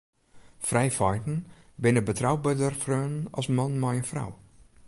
Frijfeinten binne betrouberder freonen as mannen mei in frou.